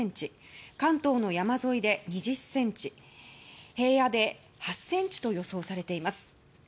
関東の山沿いで２０ｃｍ平野で８ｃｍと予想されています。